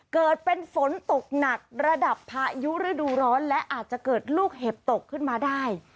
เกิดเป็นฝนตกหนักระดับพายุฤดูร้อนและอาจจะเกิดลูกเห็บตกขึ้นมาได้